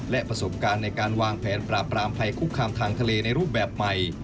และประสบการณ์ในการวางแผนปราบรามภัยคุกคามทางทะเลในรูปแบบใหม่